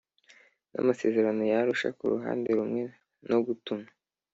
n amasezerano y Arusha ku ruhande rumwe no gutuma